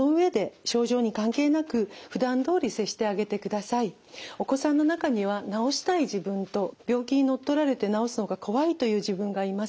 まずはこれを理解してその上でお子さんの中には治したい自分と病気に乗っ取られて治すのが怖いという自分がいます。